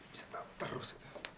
bisa tau terus